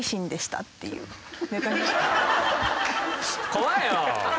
怖いよ！